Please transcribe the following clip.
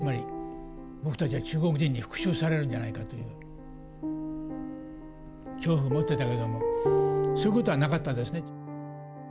当時中学生だった山田監督が抱い急に怖くなってね、つまり、僕たちは中国人に復しゅうされるんじゃないかという、恐怖を持ってたけども、そういうことはなかったですね。